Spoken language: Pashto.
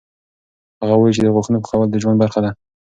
هغه وایي چې د غاښونو پاکول د ژوند برخه ده.